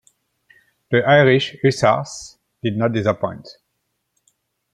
The Irish Hussars did not disappoint.